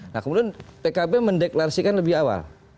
nah kemudian pkb mendeklarasikan lebih awal